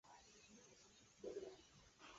主要是主办管理业余的棒球比赛。